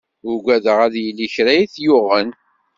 Uggadeɣ ad yili kra i t-yuɣen.